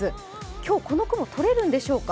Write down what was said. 今日この雲、とれるんでしょうか。